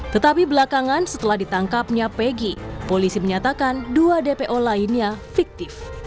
tetapi belakangan setelah ditangkapnya pegi polisi menyatakan dua dpo lainnya fiktif